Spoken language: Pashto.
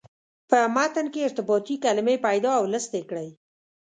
په متن کې ارتباطي کلمې پیدا او لست یې کړئ.